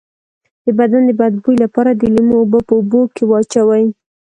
د بدن د بد بوی لپاره د لیمو اوبه په اوبو کې واچوئ